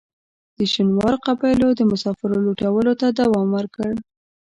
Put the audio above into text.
د شینوارو قبایلو د مسافرو لوټلو ته دوام ورکړ.